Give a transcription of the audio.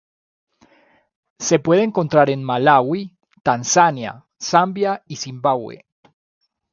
Se puede encontrar en Malawi, Tanzania, Zambia y Zimbabue.